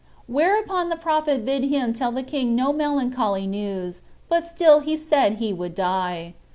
Whereupon the prophet bid him tell the king no melancholy news; but still he said he would die.